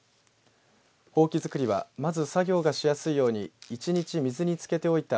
ほうき作りはまず作業がしやすいように１日水につけておいた